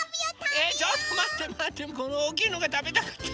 えちょっとまってまってこのおおきいのがたべたかったんだけど。